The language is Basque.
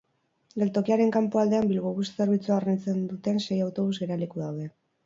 Geltokiaren kanpoaldean Bilbobus zerbitzua hornitzen duten sei autobus geraleku daude.